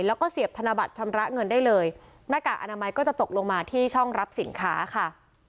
แล้วก็เสียบธนบัตรชำระเงินได้เลยหน้ากากอนามัยก็จะตกลงมาที่ช่องรับสินค้าค่ะ